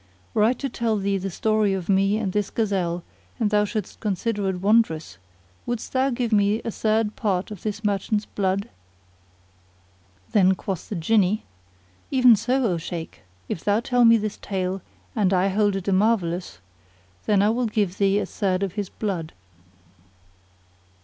were I to tell thee the story of me and this gazelle and thou shouldst consider it wondrous wouldst thou give me a third part of this merchant's blood?" Then quoth the Jinni "Even so, O Shaykh ! if thou tell me this tale, and I hold it a marvellous, then will I give thee a third of his blood."